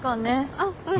あっうん。